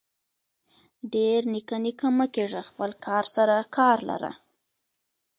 ډير نيکه نيکه مه کيږه خپل کار سره کار لره.